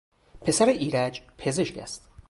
پسر ایرج پزشک است.